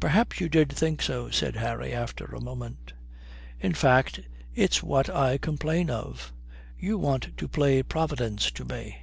"Perhaps you did think so," said Harry after a moment. "In fact it's what I complain of. You want to play Providence to me.